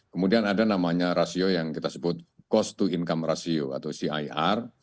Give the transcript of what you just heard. kemudian ada namanya rasio yang kita sebut cost to income ratio atau cir